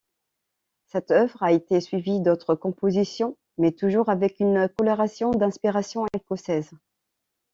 Cette œuvre a été suivie d'autres compositions, mais toujours avec une coloration d'inspiration écossaise.